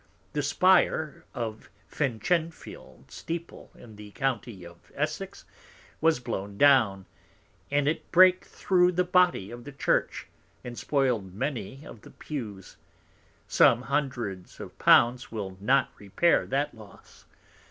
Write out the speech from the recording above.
The Spire of Finchinfield Steeple in the County of Essex, was blown down, and it brake through the Body of the Church, and spoil'd many of the Pews; some Hundreds of Pounds will not repair that Loss.